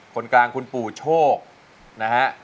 คนกลางคุณปู่โชคนะฮะ